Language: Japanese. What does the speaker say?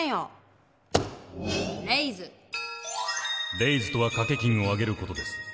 レイズとは賭け金を上げることです。